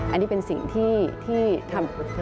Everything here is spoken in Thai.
อันนี้เป็นสิ่งที่ทำ